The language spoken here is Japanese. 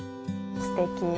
すてき。